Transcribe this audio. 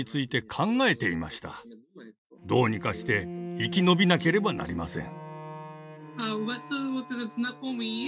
どうにかして生き延びなければなりません。